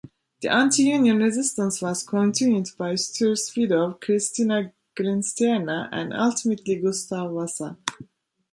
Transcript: The anti-union resistance was continued by Sture's widow Christina Gyllenstierna and ultimately Gustav Vasa.